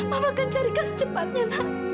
aku akan carikan secepatnya nak